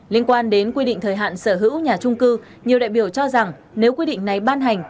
liên quan đến quy định thời hạn sở hữu nhà trung cư nhiều đại biểu cho rằng nếu quy định này ban hành